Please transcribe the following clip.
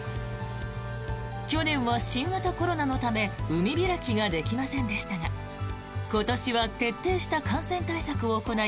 去年は新型コロナのため海開きができませんでしたが今年は徹底した感染対策を行い